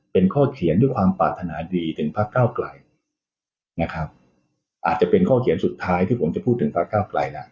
เป็นข้อเขียนด้วยความปรารถนาดีถึงพระเก้าไกลนะครับอาจจะเป็นข้อเขียนสุดท้ายที่ผมจะพูดถึงพระเก้าไกลนะ